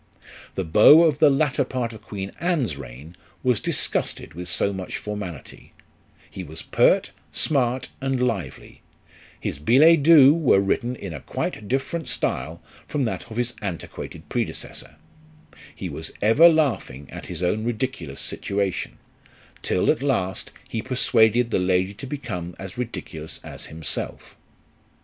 The beau of the latter part of Queen Anne's reign was dis gusted with so much formality ; he was pert, smart, and lively ; his billets doux were written in a quite different style from that of his antiquated predecessor ; he was ever laughing at his own ridiculous situation ; till at last, he persuaded the lady to become as ridiculous as himself.